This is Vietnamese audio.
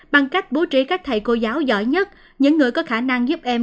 bằng cách bố trí các thầy cô giáo giỏi nhất những người có khả năng giúp em